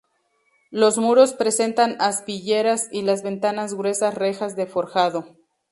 Los muros presentan aspilleras y las ventanas gruesas rejas de forjado.